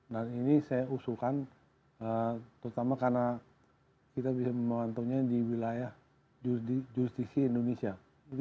dan ini saya usulkan terutama karena kita bisa memantau ini di wilayah jurisdisi indonesia